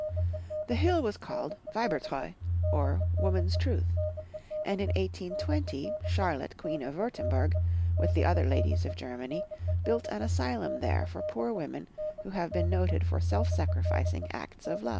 The hill was called Weibertrue, or Woman's Truth ; and in 1820 Charlotte, Queen of Wurtemberg,* with the other ladies of Germany, built an asylum there for poor women who have been noted for self sacrificing acts of love.